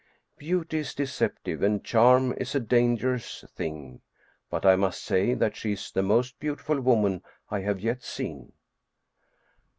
Beauty is deceptive and charm is a dangerous thing. But I must say that she is the most beautiful woman I have yet seen.